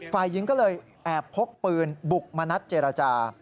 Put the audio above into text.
ฝ่ายหญิงก็เลยแอบพกปืนบุกมานัดเจรจา